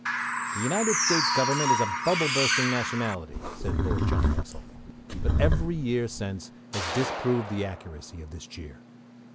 "The United States Government is a bubble bursting nationality," said Lord John Russell, but every year since has disproved the accuracy of this jeer.